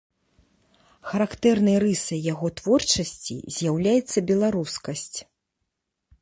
Характэрнай рысай яго творчасці з'яўляецца беларускасць.